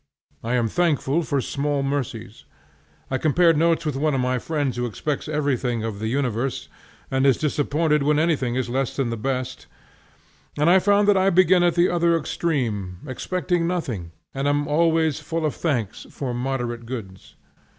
I am thankful for small mercies. I compared notes with one of my friends who expects everything of the universe and is disappointed when anything is less than the best, and I found that I begin at the other extreme, expecting nothing, and am always full of thanks for moderate goods.